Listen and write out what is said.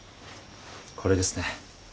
これですね。